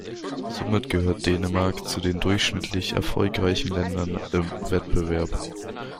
Somit gehört Dänemark zu den durchschnittlich erfolgreichen Ländern im Wettbewerb.